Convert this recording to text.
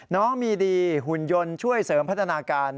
น้องมีดีหุ่นยนต์ช่วยเสริมพัฒนาการ